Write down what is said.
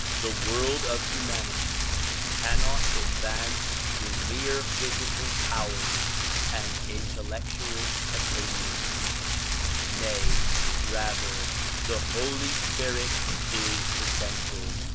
The world of humanity cannot advance through mere physical powers and intellectual attainments; nay, rather, the Holy Spirit is essential.